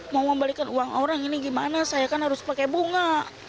mau membalikan uang orang ini gimana saya kan harus pakai bunga